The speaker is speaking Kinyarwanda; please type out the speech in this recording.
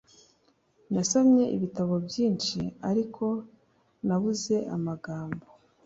Nasomye ibitabo byinshi ariko nabuze amagambo